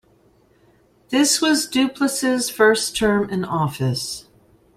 This was Duplessis's first term in office.